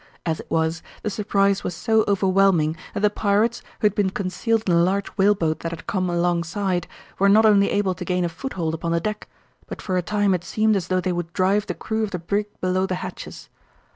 As it was, the surprise was so overwhelming that the pirates, who had been concealed in the large whaleboat that had come alongside, were not only able to gain a foothold upon the deck, but for a time it seemed as though they would drive the crew of the brig below the hatches.